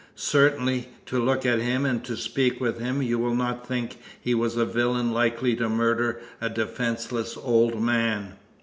Certainly, to look at him, and to speak with him, you would not think he was a villain likely to murder a defenceless old man.